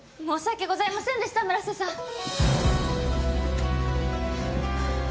申し訳ございませんでした村瀬さん。